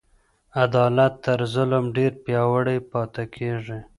عدالت تر ظلم ډیر پیاوړی پاته کیږي.